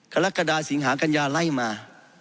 กรกฎาสิงหากัญญาไล่มา